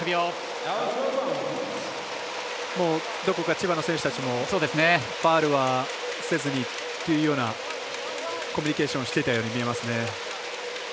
どこか千葉の選手たちもファウルはせずにっていうようなコミュニケーションをしていたように見えますね。